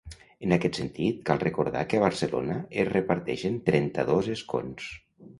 En aquest sentit, cal recordar que a Barcelona es reparteixen trenta-dos escons.